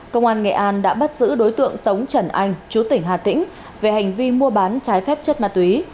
công an nghệ an đã bắt giữ đối tượng tống trần anh chú tỉnh hà tĩnh về hành vi mua bán trái phép chất ma túy